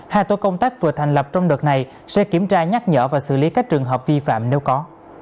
hai tổ công tác vừa thành lập trong đợt này sẽ kiểm tra nhắc nhở và xử lý các trường hợp vi phạm nếu có